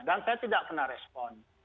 dan saya tidak pernah respon